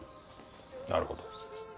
なるほど。